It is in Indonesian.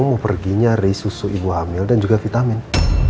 aku mau pergi nyari susu ibu hamil dan juga vitamin